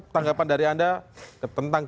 tanggapan dari anda tentang